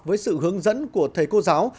với sự hướng dẫn của thầy cô giáo